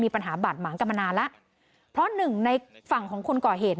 ปัญหาบาดหมางกันมานานแล้วเพราะหนึ่งในฝั่งของคนก่อเหตุ